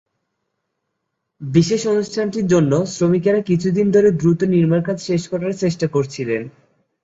বিশেষ অনুষ্ঠানটির জন্য শ্রমিকেরা কিছুদিন ধরে দ্রুত নির্মাণকাজ শেষ করার চেষ্টা করছিলেন।